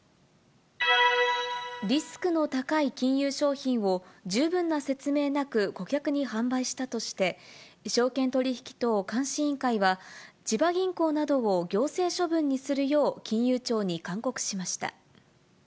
リスクの高い金融商品を十分な説明なく、顧客に販売したとして、証券取引等監視委員会は、千葉銀行などを行政処分にするよう、金融庁に勧告しました。